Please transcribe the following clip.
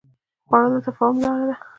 خوړل د تفاهم لاره ده